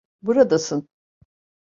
Buradasın.